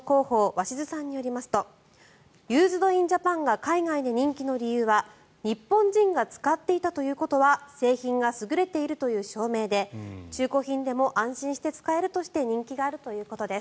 鷲津さんによりますとユーズド・イン・ジャパンが海外で人気の理由は日本人が使っていたということは製品が優れているという証明で中古品でも安心して使えるとして人気があるということです。